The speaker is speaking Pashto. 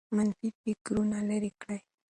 منفي فکرونه لیرې کړئ.